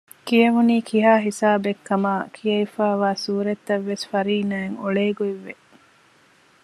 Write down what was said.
ކިޔެވުނީ ކިހާ ހިސާބެއްކަމާ ކިޔެވިފައިވާ ސޫރަތްތައްވެސް ފަރީނާއަށް އޮޅޭގޮތްވެ